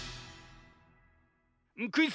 クイズ